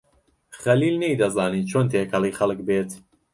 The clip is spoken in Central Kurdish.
خەلیل نەیدەزانی چۆن تێکەڵی خەڵک بێت.